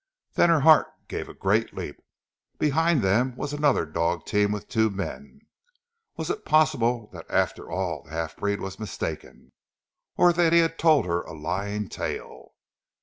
Then her heart gave a great leap. Behind them was another dog team with two men. Was it possible that after all the half breed was mistaken, or that he had told her a lying tale?